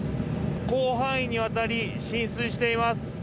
広範囲にわたり、浸水しています。